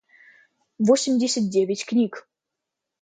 восемьдесят девять книг